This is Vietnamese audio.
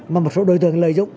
mà một số đối tượng lợi dụng